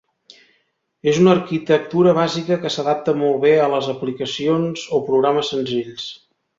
És una arquitectura bàsica que s'adapta molt bé a aplicacions o programes senzills.